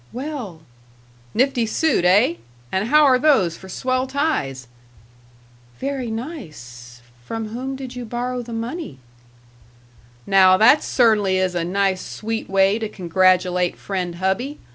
"Well " "Nifty suit, eh? And how are those for swell ties?" "Very nice.... From whom did you borrow the money?" "Now that cer'nly is a nice, sweet way to congratulate friend hubby.